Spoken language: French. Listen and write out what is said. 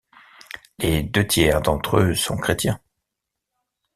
Les deux tiers d'entre eux sont chrétiens.